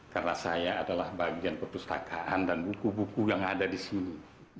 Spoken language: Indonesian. karena saya adalah bagian perpustakaan dan buku buku yang ada di sini